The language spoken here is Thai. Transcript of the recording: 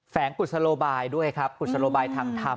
งกุศโลบายด้วยครับกุศโลบายทางธรรม